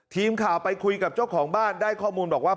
ทีมข่าวไปคุยกับเจ้าของบ้านได้ข้อมูลบอกว่า